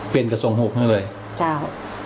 เปลี่ยนกับสวงหุดมากเลย